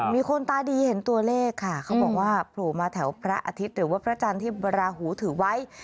มีคนตาดีเห็นตัวเลขบอกผู้มาแถวพระอาทิตย์หรือพระจันทร์ที่บรรราหูถือไว้